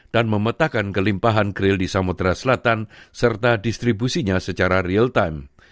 dan memetakkan kelimpahan kerel di samudera selatan serta distribusinya secara real time